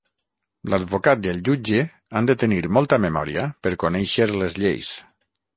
L'advocat i el jutge han de tenir molta memòria per conèixer les lleis.